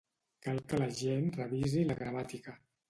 Cal que la gent revisi la gramàtica.